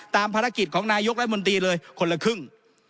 ภารกิจของนายกรัฐมนตรีเลยคนละครึ่ง